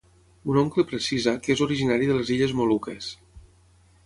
Mon oncle precisa que és originari de les illes Moluques.